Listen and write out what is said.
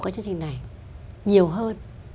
cái chương trình này nhiều hơn